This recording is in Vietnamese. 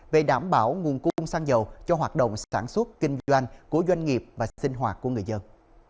về đảm bảo nguồn cung xăng dầu cho hoạt động sản xuất kinh doanh của doanh nghiệp và sinh hoạt của người dân